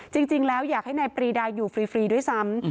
จริงแล้วอยากให้นายปรีดาอยู่ฟรีด้วยซ้ำ